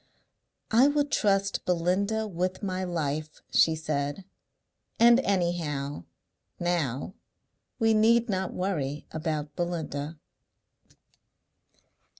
"I would trust Belinda with my life," she said. "And anyhow now we need not worry about Belinda."